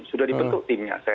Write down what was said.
sudah dibentuk timnya